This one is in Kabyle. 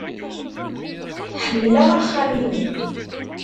Ḥemmleɣ axxam-inu.